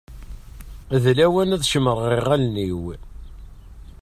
D lawan ad cemmṛeɣ iɣallen-iw.